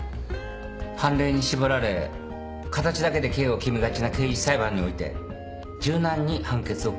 判例に縛られ形だけで刑を決めがちな刑事裁判において柔軟に判決を下すためですね。